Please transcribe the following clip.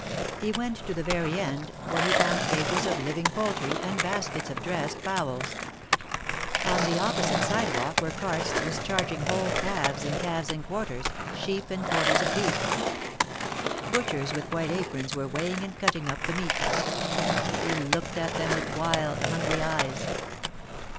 He went to the Very end, where he found cages of living poultry, and baskets of dressed fowls. On the opposite sidewalk were carts discharging whole calves and calves in quarters, sheep and quarters of beef. Butchers with white aprons were weighing and cutting up the meat. He looked at them with wild, hungry eyes.